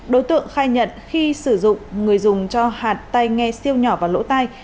đối tượng khai nhận khi sử dụng người dùng cho hạt tay nghe siêu nhỏ vào lỗ tay